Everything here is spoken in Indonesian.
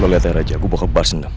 lo liat ya raja gua bawa kabar sendam